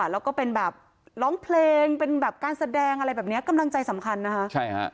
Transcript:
แล้วก็เป็นร้องเพลงการแสดงอะไรแบบนี้กำลังใจสำคัญนะครับ